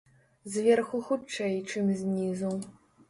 Зверху хутчэй, чым знізу.